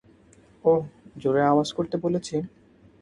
ওহ, জোরে আওয়াজ করতে বলেছি?